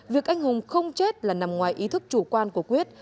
việc anh hùng không chết là nằm ngoài ý thức chủ quan của quyết